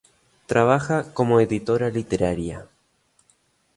Trabaja como editora literaria.